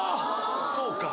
そうか。